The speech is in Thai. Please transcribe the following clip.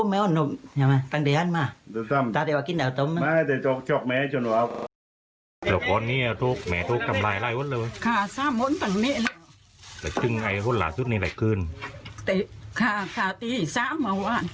มาตะเดวะกินอาตม